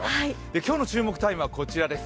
今日の注目タイムはこちらです。